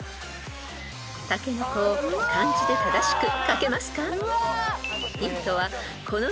［「たけのこ」を漢字で正しく書けますか？］